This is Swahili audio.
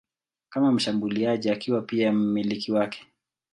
kama mshambuliaji akiwa pia mmiliki wake.